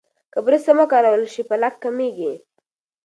که برس سم وکارول شي، پلاک کمېږي.